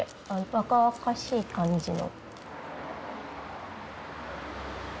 若々しい感じの。